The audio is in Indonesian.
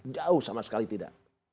jauh sama sekali tidak